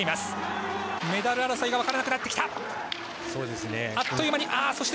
メダル争いが分からなくなってきた。